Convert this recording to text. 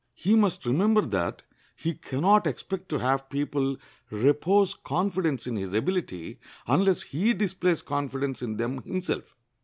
He must remember that he can not expect to have people repose confidence in his ability unless he displays confidence in them himself.